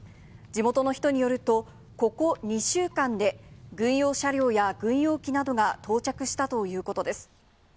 地元の人によると、ここ２週間で、軍用車両や軍用機などが到着したということです。